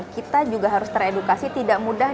kita juga harus teredukasi tidak mudah